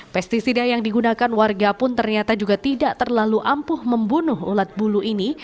pesticida yang digunakan warga pun ternyata juga tidak terlalu ampuh membunuh ulat bulu ini